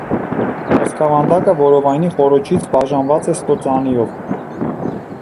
Կրծքավանդակը որովայնի խոռոչից բաժանված է ստոծանիով։